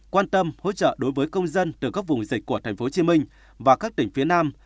quan tâm hỗ trợ đối với công dân từ các vùng dịch của tp hcm và các tỉnh phía nam